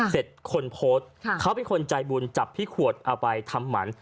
เสร็จคนโพสต์เขาเป็นคนใจบุญจับพี่ขวดเอาไปทำหมัน